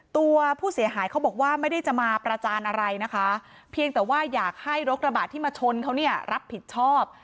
ตัวผู้เสียหายเขาบอกว่าไม่ได้จะมาประจานอะไรนะคะเพียงแต่ว่าอยากให้รถกระบะที่มาชนเขาเนี่ยรับผิดชอบ